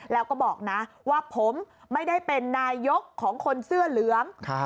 แล้วก็บอกนะว่าผมไม่ได้เป็นนายกของคนเสื้อเหลือง